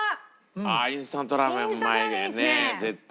ああインスタントラーメンうまいよね絶対。